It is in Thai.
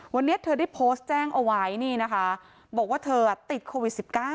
วันนี้เธอได้โพสต์แจ้งเอาไว้นี่นะคะบอกว่าเธอติดโควิด๑๙